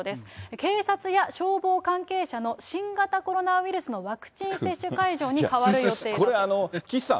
警察や消防関係者の新型コロナウイルスのワクチン接種会場に変わこれ、岸さん、